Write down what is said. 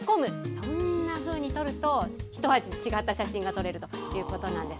こんなふうに撮るとひと味違った写真が撮れるということなんです。